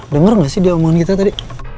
denger gak sih dia omongan kita tadi